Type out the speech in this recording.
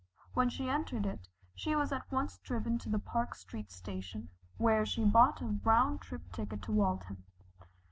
When she entered it, she was at once driven to the Park Street station, where she bought a round trip ticket to Waltham.